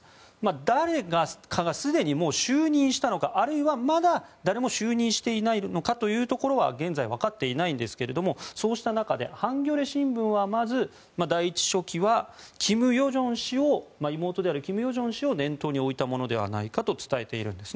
誰かが、すでに就任したのかあるいは、まだ誰も就任していないのかは現在、分かっていないんですがそうした中でハンギョレ新聞は第１書記は妹の金与正氏を念頭に置いたものではないかと伝えています。